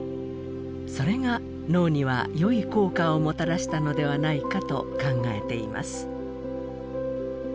それが脳には良い効果をもたらしたのではないかと考えています。